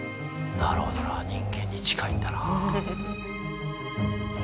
なるほどな人間に近いんだな。